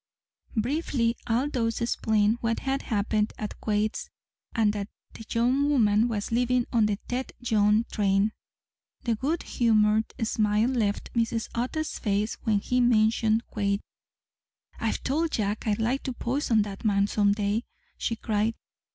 Briefly Aldous explained what had happened at Quade's, and that the young woman was leaving on the Tête Jaune train. The good humoured smile left Mrs. Otto's face when he mentioned Quade. "I've told Jack I'd like to poison that man some day," she cried.